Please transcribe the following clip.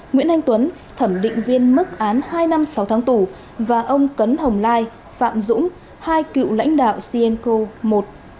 nguyễn anh tuấn thẩm định viên mức án hai năm sáu tháng tù và ông cấn hồng lai phạm dũng hai cựu lãnh đạo cenco một